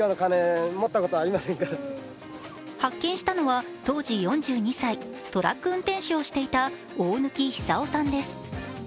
発見したのは当時４２歳、トラック運転手をしていた大貫久男さんです。